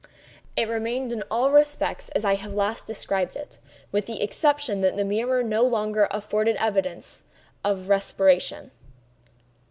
It remained in all respects as I have last described it, with the exception that the mirror no longer afforded evidence of respiration.